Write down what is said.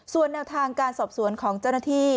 ส่วนแนวทางการสอบสวนของเจ้าหน้าที่